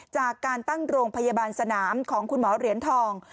จากการตั้งโรงพยาบาลสนามของคุณหมอเหรียญทอง